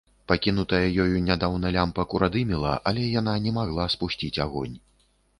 Пакінутая ёю нядаўна лямпа курадымела, але яна не магла спусціць агонь.